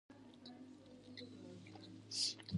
هغه ليد ورپېرزو کړي.